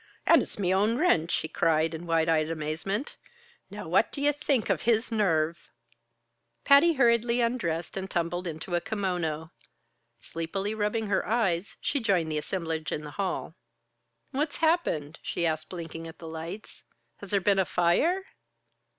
"An it's me own wrench!" he cried in wide eyed amazement. "Now, what do ye think of his nerve?" Patty hurriedly undressed and tumbled into a kimono. Sleepily rubbing her eyes, she joined the assemblage in the hall. "What's happened?" she asked, blinking at the lights. "Has there been a fire?"